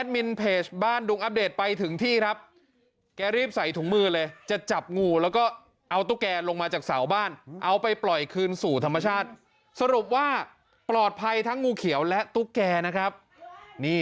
มันลงมาจากเสาบ้านเอาไปปล่อยคืนสู่ธรรมชาติสรุปว่าปลอดภัยทั้งงูเขียวและตุ๊กแกนะครับนี่